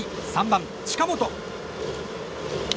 ３番、近本。